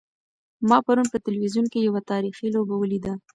ما پرون په تلویزیون کې یوه تاریخي لوبه ولیده.